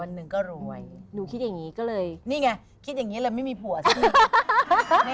นี่ไงคิดแบบนี้เลยไม่มีผัวสิ